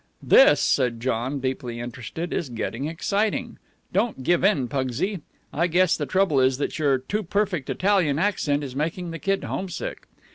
"This," said John, deeply interested, "is getting exciting. Don't give in, Pugsy. I guess the trouble is that your too perfect Italian accent is making the kid homesick."